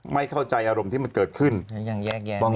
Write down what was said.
ไม่เข้าใจอารมณ์ที่มันเกิดขึ้น